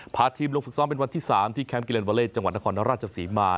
พาทีมลงฝึกซ้อมเป็นวันที่๓ที่แคมปิเลนวาเลสจังหวัดนครราชศรีมา